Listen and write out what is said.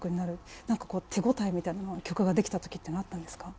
なんかこう手応えみたいなのは曲ができた時っていうのはあったんですか？